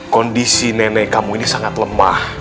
kondisi nenek kamu ini sangat lemah